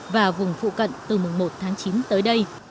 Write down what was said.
và vùng phụ cận từ mùng một tháng chín tới đây